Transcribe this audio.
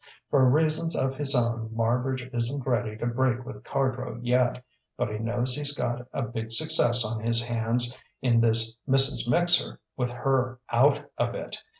For reasons of his own, Marbridge isn't ready to break with Cardrow yet, but he knows he's got a big success on his hands in this 'Mrs. Mixer' with her out of it.